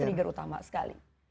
itu trigger utama sekali